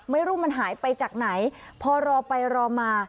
ไม่รู้มันหายไปจากไหนพอรอไปรอมา